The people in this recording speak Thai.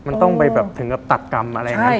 มันต้องไปแบบถึงกับตัดกรรมอะไรอย่างนั้น